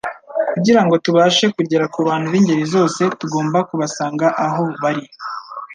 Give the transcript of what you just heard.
Kugira ngo tubashe kugera ku bantu b’ingeri zose, tugomba kubasanga aho bari